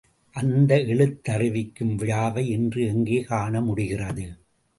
அந்த எழுத்தறிவிக்கும் விழாவை இன்று எங்கே காண முடிகிறது?